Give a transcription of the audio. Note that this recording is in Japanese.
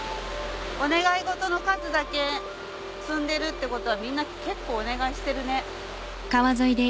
お願い事の数だけ積んでるってことはみんな結構お願いしてるね。